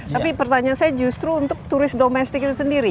tapi pertanyaan saya justru untuk turis domestik itu sendiri